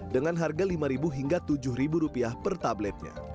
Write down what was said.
dengan harga rp lima tujuh per tabletnya